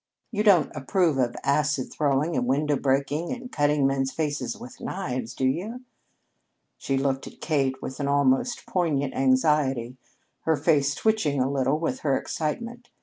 You don't approve of acid throwing and window breaking and cutting men's faces with knives, do you?" She looked at Kate with an almost poignant anxiety, her face twitching a little with her excitement.